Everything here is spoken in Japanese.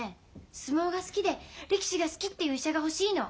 相撲が好きで力士が好きっていう医者が欲しいの。